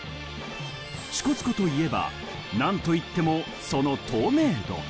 支笏湖といえば、なんといってもその透明度。